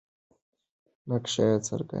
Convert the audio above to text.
نقش یې څرګند دی.